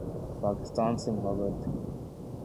پاکستان سے محبت